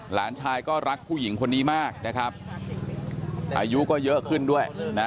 หลานชายก็รักผู้หญิงคนนี้มากนะครับอายุก็เยอะขึ้นด้วยนะ